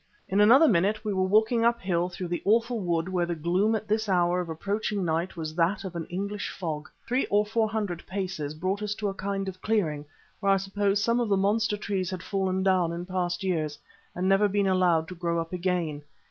In another minute we were walking uphill through the awful wood where the gloom at this hour of approaching night was that of an English fog. Three or four hundred paces brought us to a kind of clearing, where I suppose some of the monster trees had fallen down in past years and never been allowed to grow up again.